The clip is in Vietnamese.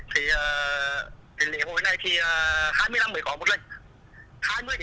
thì lễ hội này